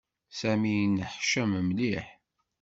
Sami yenneḥcam mliḥ.